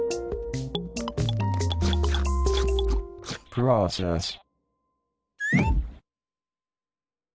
「プロセス」。